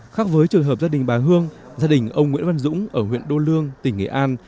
khác với trường hợp gia đình bà hương gia đình ông nguyễn văn dũng ở huyện đô lương tỉnh nghệ an